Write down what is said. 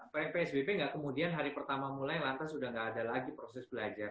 psbb nggak kemudian hari pertama mulai lantas sudah tidak ada lagi proses belajar